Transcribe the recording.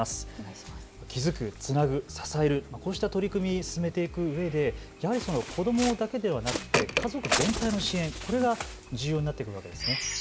気付く、つなぐ、支える、こうした取り組みを進めていくうえで子どもだけでなく家族全体の支援が重要になっていくわけですね。